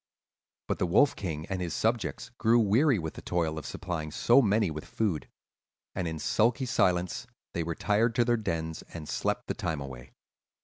"But the Wolf King and his subjects grew weary with the toil of supplying so many with food; and in sulky silence they retired to their dens and slept the time away.